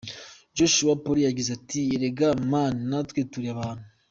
Joshua Polly yagize ati: “Erega man ,natwe turi abantu.